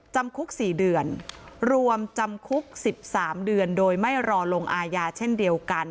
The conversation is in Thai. จำคุก๔เดือนรวมจำคุก๑๓เดือนโดยไม่รอลงอาญาเช่นเดียวกัน